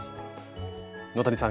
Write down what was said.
野谷さん